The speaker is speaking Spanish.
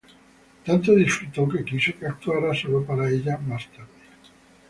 Tanto disfrutó que quiso que actuara solo para ella más tarde.